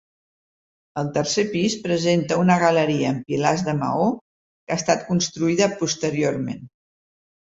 El tercer pis presenta una galeria amb pilars de maó que ha estat construïda posteriorment.